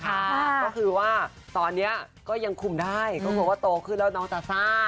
ก็คือว่าตอนนี้ก็ยังคุมได้ก็คือว่าโตขึ้นแล้วน้องจะซ่า